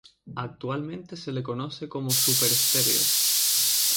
Actualmente se le conoce como Super Stereo.